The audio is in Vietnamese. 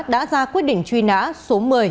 đã ra quyết định truy nã số một mươi